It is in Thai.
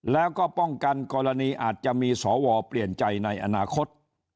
แล้วก็ป้องกันกรณีอาจจะมีสวเปลี่ยนใจในอนาคต